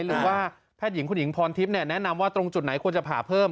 หรือว่าแพทย์หญิงคุณหญิงพรทิพย์แนะนำว่าตรงจุดไหนควรจะผ่าเพิ่ม